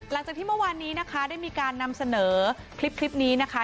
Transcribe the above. หลังจากที่เมื่อวานนี้นะคะได้มีการนำเสนอคลิปนี้นะคะ